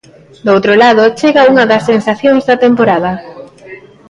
Doutro lado, chega unha das sensacións da temporada.